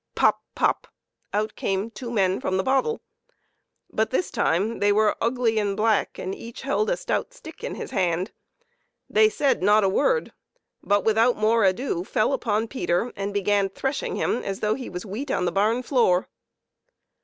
Pop ! pop ! out came two men from the bottle ; but this time they were ugly and black, and each held a stout stick in his hand. They said not a word, but, without more ado, fell upon Peter and began threshing him as though he was wheat on the barn floor.